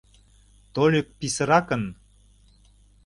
Тольык писыракын!